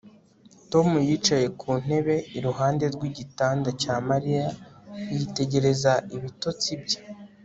Tom yicaye ku ntebe iruhande rwigitanda cya Mariya yitegereza ibitotsi bye